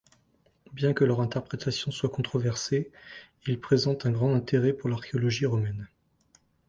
Bien que leur interprétation soit controversée, ils présentent un grand intérêt pour l'archéologie romaine.